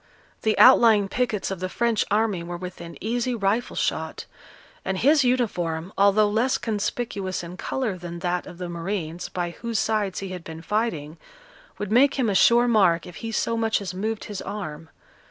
The outlying pickets of the French army were within easy rifle shot; and his uniform, although less conspicuous in colour than that of the marines, by whose sides he had been fighting, would make him a sure mark if he so much as moved his arm.